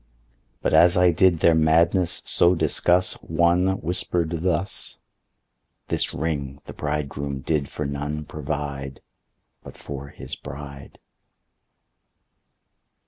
But as I did their madness so discuss One whisper'd thus, "This Ring the Bridegroom did for none provide But for his bride."